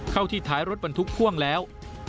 เข้าที่ท้ายรถบรรทุกพ่วงแล้ว